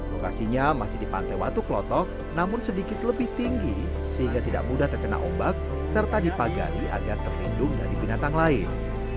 lokasinya masih di pantai watu klotok namun sedikit lebih tinggi sehingga tidak mudah terkena ombak serta dipagari agar terlindung dari binatang lain